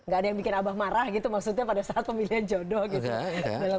gak ada yang bikin abah marah gitu maksudnya pada saat pemilihan jodoh gitu